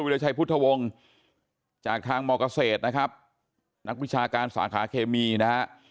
ราชัยพุทธวงศ์จากทางมเกษตรนะครับนักวิชาการสาขาเคมีนะฮะ